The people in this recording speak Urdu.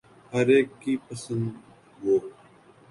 ہر ایک کی پسند و